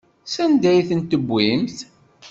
Sanda ay tent-tewwimt?